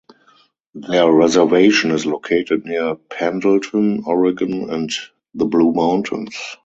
Their reservation is located near Pendleton, Oregon and the Blue Mountains.